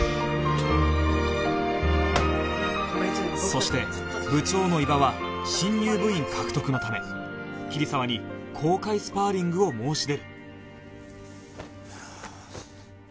そして部長の伊庭は新入部員獲得のため桐沢に公開スパーリングを申し出る